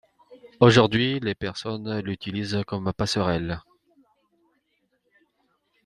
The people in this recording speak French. Aujourd'hui, les personnes l'utilisent comme passerelle.